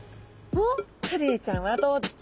カレイちゃんはどっち？